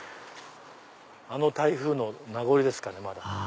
あの台風の名残ですかねまだ。